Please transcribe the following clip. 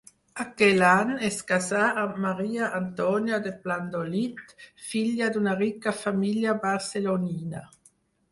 Aquell any es casà amb Maria Antònia de Plandolit, filla d'una rica família barcelonina.